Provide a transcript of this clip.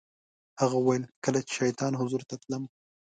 هغه وویل کله چې سلطان حضور ته تللم.